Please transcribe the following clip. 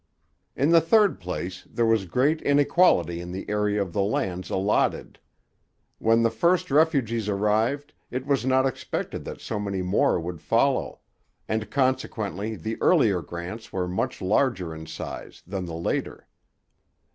In the third place there was great inequality in the area of the lands allotted. When the first refugees arrived, it was not expected that so many more would follow; and consequently the earlier grants were much larger in size than the later.